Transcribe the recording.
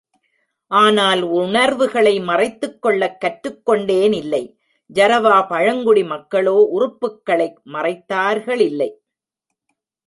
ஆனால் உணர்வுகளை மறைத்துக்கொள்ள கற்றுக் கொண்டேனில்லை, ஜரவா பழங்குடி மக்களோ உறுப்புக்களை மறைத்தார்களில்லை!